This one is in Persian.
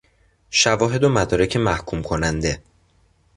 شواهد و مدارک محکوم کننده